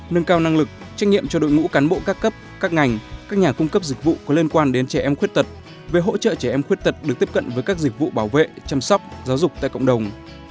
nâng cao năng lực trách nhiệm cho đội ngũ cán bộ các cấp các ngành các nhà cung cấp dịch vụ có liên quan đến trẻ em khuyết tật về hỗ trợ trẻ em khuyết tật được tiếp cận với các dịch vụ bảo vệ chăm sóc giáo dục tại cộng đồng